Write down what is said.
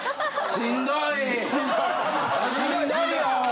しんどいよ。